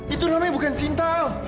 itu namanya bukan cinta